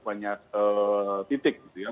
banyak titik gitu ya